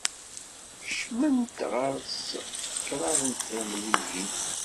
Kecment ɣer-s kraḍ n tefremliyin.